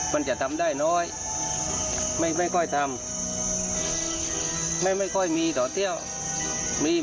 มันจะเป็นสายพันที่ไทยการทำหน้าจากครั้งใหม่